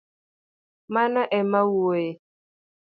Mano emawuoye